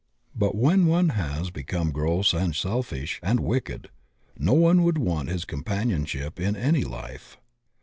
But when one has become gross and selfish and wicked, no one would want his companionship in any life.